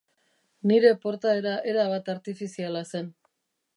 Nire portaera erabat artifiziala zen.